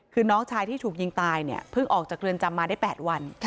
คือน้องชายที่ถูกยิงตายเนี่ยเพิ่งออกจากเรือนจำมาได้๘วัน